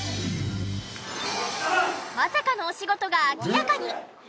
まさかのお仕事が明らかに！